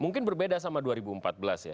mungkin berbeda sama dua ribu empat belas ya